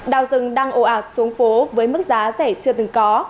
đào rừng đang ồ ạt xuống phố với mức giá rẻ chưa từng có